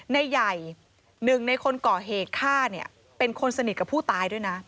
ใหญ่หนึ่งในคนก่อเหตุฆ่าเนี่ยเป็นคนสนิทกับผู้ตายด้วยนะ